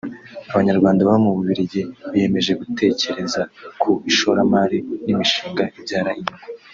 Abanyarwanda baba mu Bubiligi biyemeje gutekereza ku ishoramari n’imishinga ibyara inyungu